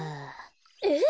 えっ？